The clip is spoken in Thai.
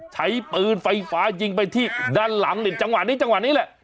ใช้ปืนไฟฟ้ายิงไปที่ด้านหลังนี่จังหวะนี้จังหวะนี้แหละ